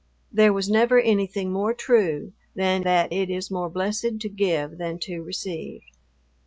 There was never anything more true than that it is more blessed to give than to receive.